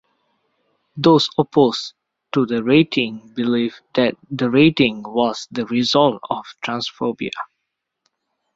Those opposed to the rating believe that the rating was the result of transphobia.